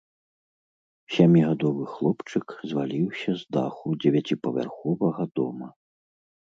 Сямігадовы хлопчык зваліўся з даху дзевяціпавярховага дома.